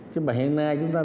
chứ mà hiện nay chúng ta